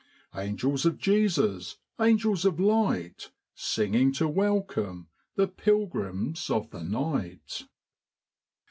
Angels of Jesus, angels of light Singing to welcome the pilgrims of the night.'